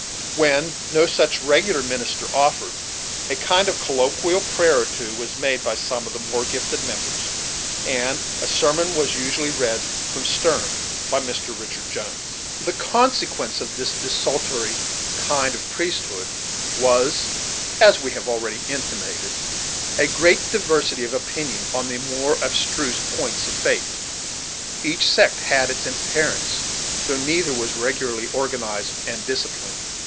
When no such regular minister offered, a kind of colloquial prayer or two was made by some of the more gifted members, and a sermon was usually read, from Sterne, by Mr. Richard Jones. The consequence of this desultory kind of priesthood was, as we have already intimated, a great diversity of opinion on the more abstruse points of faith. Each sect had its adherents, though neither was regularly organized and disciplined.